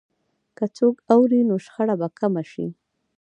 که څوک اوري، نو شخړه به کمه شي.